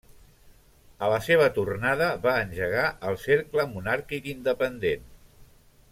A la seva tornada, va engegar el Cercle Monàrquic Independent.